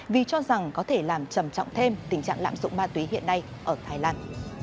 vì cho rằng có thể làm trầm trọng thêm tình trạng lạm dụng ma túy hiện nay ở thái lan